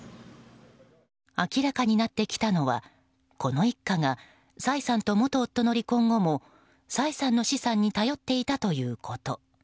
明らかになってきたのはこの一家がサイさんと元夫の離婚後もサイさんの資産に頼っていたということ。